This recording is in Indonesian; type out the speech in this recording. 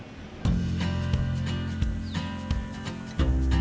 tim ini diharapkan menjadi peluang bagi anak anak papua yang berpengalaman